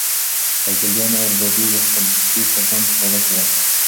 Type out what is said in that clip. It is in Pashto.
د ابدالیانو اربابي د خدکي سلطان په کاله کې وه.